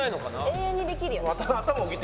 永遠にできるよ。